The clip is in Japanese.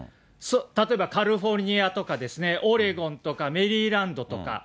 例えばカリフォルニアとか、オレゴンとかメリーランドとか。